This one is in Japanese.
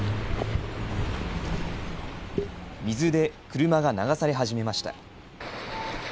水で車が流され始めました。